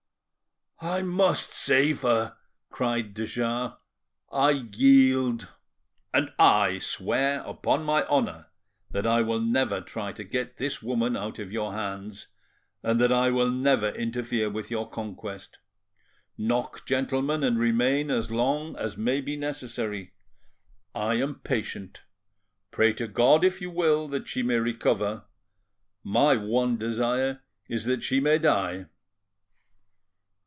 "I must save her!" cried de Jars,—"I yield." "And I swear upon my honour that I will never try to get this woman out of your hands, and that I will never interfere with your conquest. Knock, gentlemen, and remain as long as may be necessary. I am patient. Pray to God, if you will, that she may recover; my one desire is that she may die."